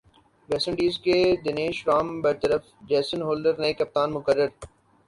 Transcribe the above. waste Indies کے دنیش رام برطرف Jason Holder نئے کپتان مقرر